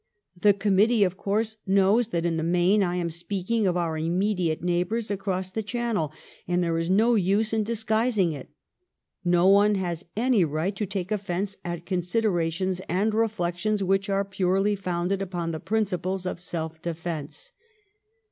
The Committee, of course, kifows that in the main I am speaking of our immediate neighbours across the channel, and there is no use in disguising it. No one has any right to take offence at considerations and reflections which are purely founded upon the principles of self defence.